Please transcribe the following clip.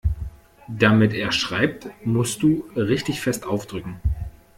Damit er schreibt, musst du richtig fest aufdrücken.